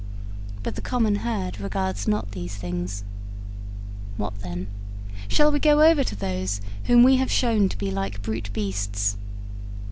But the common herd regards not these things. What, then? Shall we go over to those whom we have shown to be like brute beasts?